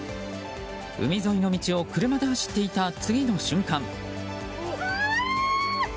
海沿いの道を車で走っていた次の瞬間。